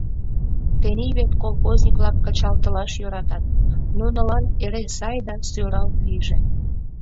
Тений вет колхозник-влак кычалтылаш йӧратат: нунылан эре сай да сӧрал лийже.